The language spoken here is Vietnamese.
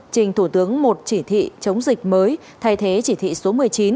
trình thủ tướng một chỉ thị chống dịch mới thay thế chỉ thị số một mươi chín